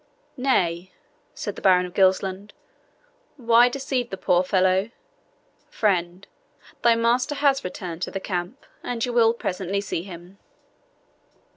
"Nay," said the Baron of Gilsland, "why deceive the poor fellow? Friend, thy master has returned to the camp, and you will presently see him."